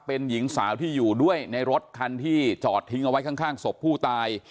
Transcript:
เป็นหญิงสาวที่อยู่ด้วยในรถคันที่จอดทิ้งเอาไว้ข้างศพผู้ตาย